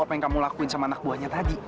apa yang kamu lakuin sama anak buahnya tadi